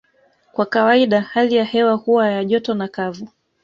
Kwa kawaida hali ya hewa huwa ya joto na kavu